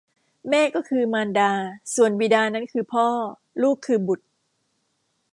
แม่ก็คือมารดา ส่วนบิดานั้นคือพ่อ ลูกคือบุตร